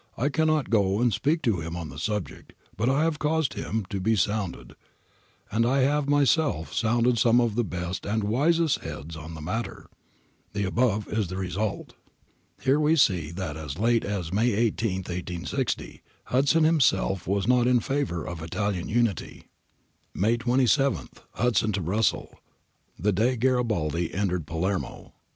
I cannot go and speak to him on the subject, but I have caused him to be sounded, and I have myself sounded some of the best and wisest heads on the matter ;— the above is the result.' Here we see that as late as May 1 8, i860, Hudson himself was not in favour of Italian unity. May 27. Hudson to Russell. [Day Garibaldi entered Palermo.